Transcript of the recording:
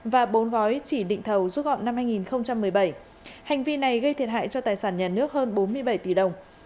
và bốn gói chỉ định thầu rút gọn năm hai nghìn một mươi bảy hành vi này gây thiệt hại cho tài sản nhà nước hơn bốn mươi bảy tỷ đồng